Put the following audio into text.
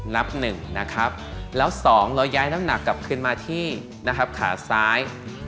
นับ๑นะครับแล้ว๒เราย้ายน้ำหนักกลับขึ้นมาที่ขาซ้าย